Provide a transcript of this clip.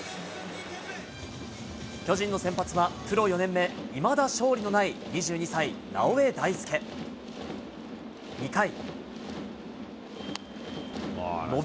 巨人の先発は、プロ４年目、いまだ勝利のない２２歳、直江大輔。２回。